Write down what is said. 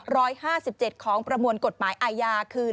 ร้อยห้าสิบเจ็ดของประมวลกฎหมายอาญาคือ